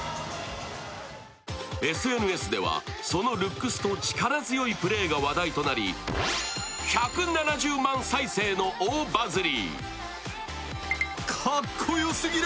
ＳＮＳでは、そのルックスと力強いプレーが話題となり１７０万再生の大バズり。